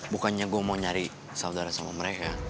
bukannya gue mau nyari saudara sama mereka